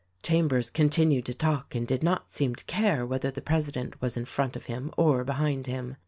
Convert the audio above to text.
Chambers continued to talk and did not seem to care whether the president was in front of him or behind him.